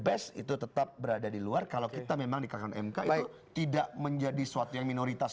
best itu tetap berada di luar kalau kita memang di kakaknya tidak menjadi suatu yang minoritas